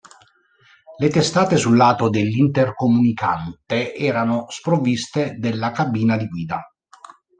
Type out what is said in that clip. Le testate sul lato dell'intercomunicante erano sprovviste della cabina di guida.